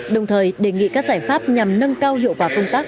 đồng thời đề nghị các giải pháp nhằm nâng cao hiệu quả công tác